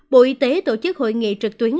bộ y tế tổ chức hội nghị trực tuyến